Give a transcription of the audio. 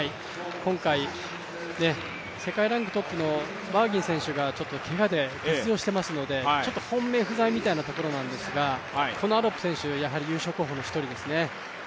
今回、世界ランクトップのバーギン選手がちょっとけがで欠場してますので、本命不在みたいなところなんですがこのアロップ選手は優勝候補の一人ですね。